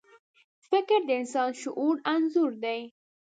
فکر د انسان د شعور انځور دی.